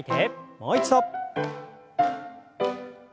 もう一度。